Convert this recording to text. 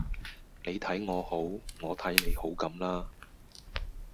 你睇我好，我睇你好咁啦